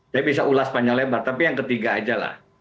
saya bisa ulas panjang lebar tapi yang ketiga